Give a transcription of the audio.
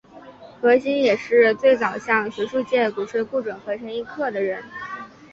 何新也是最早向学术界鼓吹顾准和陈寅恪的人。